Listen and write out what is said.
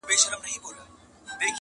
خریدار چي سوم د اوښکو دُر دانه سوم,